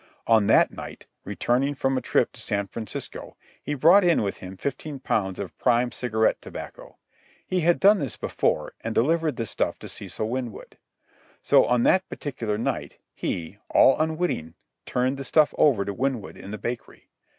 On that night, returning from a trip to San Francisco, he brought in with him fifteen pounds of prime cigarette tobacco. He had done this before, and delivered the stuff to Cecil Winwood. So, on that particular night, he, all unwitting, turned the stuff over to Winwood in the bakery.